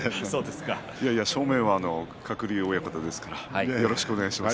正面は鶴竜親方ですからよろしくお願いします。